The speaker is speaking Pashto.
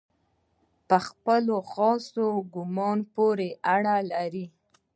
په خپل خاص کمال پوري اړه لري.